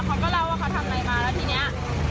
เขาก็เล่าว่าเขาทำอะไรมาแล้วทีนี้